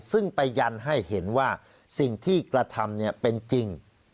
ซึ่งไปยันให้เห็นว่าสิ่งที่กระทำเป็นจริง